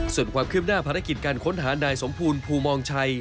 ส่วนความคืบหน้าภารกิจการค้นหานายสมภูลภูมองชัย